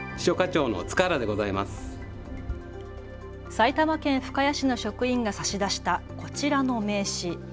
埼玉県深谷市の職員が差し出したこちらの名刺。